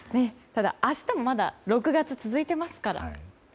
ただ、明日もまだ６月は続いてますからね。